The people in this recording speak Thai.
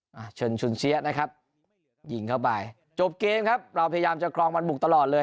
มาเชิญชุนเชียนะครับยิงเข้าไปจบเกมครับเราพยายามจะครองวันบุกตลอดเลย